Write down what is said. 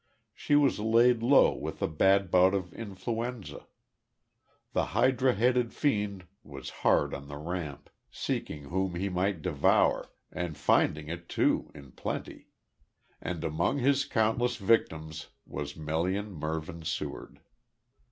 She was laid low with a bad bout of influenza. The hydra headed fiend was hard on the ramp, seeking whom he might devour, and finding it too in plenty. And among his countless victims was Melian Mervyn Seward.